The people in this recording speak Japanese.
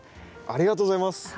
ありがとうございます。